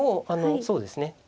そうですね。